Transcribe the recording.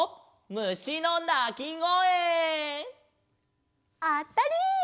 むしのなきごえ！あったり！